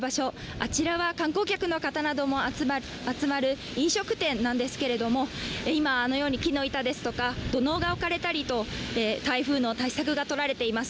あちらは観光客の方なども集まる飲食店なんですけど今、あのように木の板ですとか土のうが置かれたりと、台風の対策がとられています。